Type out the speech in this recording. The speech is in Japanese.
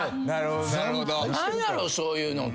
何やろそういうのって。